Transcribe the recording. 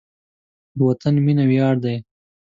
د وطن مینه ویاړ دی.